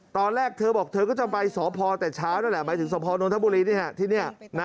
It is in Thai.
ตอนแรกเธอบอกเธอก็จะไปสพแต่เช้านั่นแหละหมายถึงสพนนทบุรีที่นี่